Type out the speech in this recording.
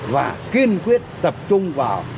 và kiên quyết tập trung vào